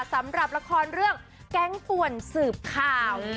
สำหรับละครเรื่องแก๊งป่วนสืบข่าว